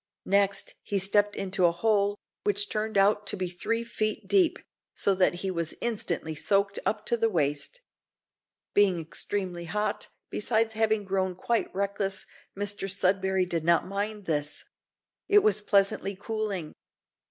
Next, he stepped into a hole, which turned out to be three feet deep, so that he was instantly soaked up to the waist. Being extremely hot, besides having grown quite reckless, Mr Sudberry did not mind this; it was pleasantly cooling.